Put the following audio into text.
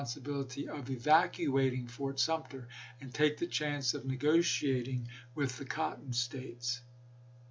sibility of evacuating Fort Sumter, and take the chance of negotiating with the Cotton States.